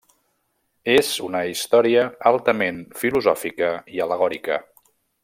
És una història altament filosòfica i al·legòrica.